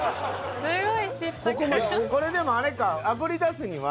これでもあれか。